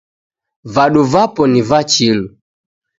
Vadu vapo ni va chilu.